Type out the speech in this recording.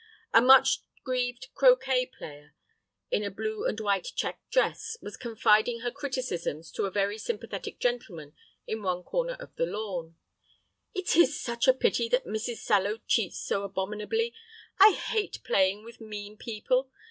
A much grieved croquet player in a blue and white check dress was confiding her criticisms to a very sympathetic gentleman in one corner of the lawn. "It is such a pity that Mrs. Sallow cheats so abominably. I hate playing with mean people.